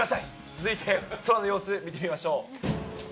続いて空の様子、見てみましょう。